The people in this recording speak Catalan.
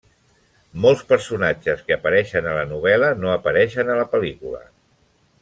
Molts personatges que apareixen a la novel·la no apareixen a la pel·lícula.